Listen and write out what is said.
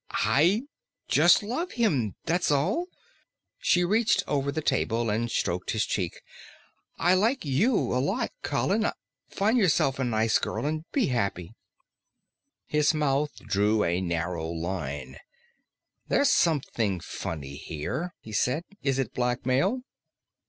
"I just love him, that's all." She reached over the table and stroked his cheek. "I like you a lot, Colin. Find yourself a nice girl and be happy." His mouth drew into a narrow line. "There's something funny here," he said. "Is it blackmail?"